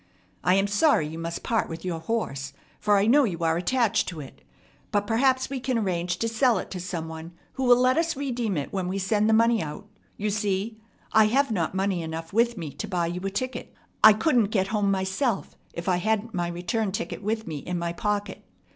I am sorry you must part with your horse, for I know you are attached to it; but perhaps we can arrange to sell it to some one who will let us redeem it when we send the money out. You see I have not money enough with me to buy you a ticket. I couldn't get home myself if I hadn't my return ticket with me in my pocket.